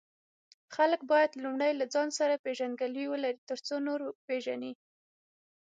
خلک باید لومړی له ځان سره پیژندګلوي ولري، ترڅو نور پیژني.